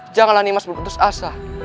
janganlah nimas berputus asa